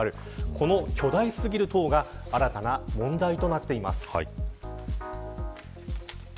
この巨大すぎる塔が新たな問題となっています。